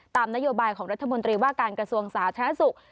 ตามนโยบายของรัฐมนตรีว่าการกระทรวงสาธารณสุข